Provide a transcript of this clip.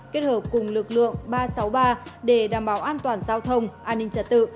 kết hợp cùng lực lượng ba trăm sáu mươi ba để đảm bảo an toàn giao thông an ninh trật tự